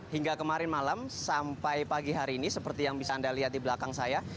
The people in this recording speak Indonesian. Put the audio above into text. hingga kemarin malam sampai pagi hari ini seperti yang bisa anda lihat di belakang saya